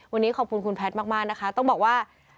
วันนี้ขอบคุณคุณแพทย์มากนะคะต้องบอกว่า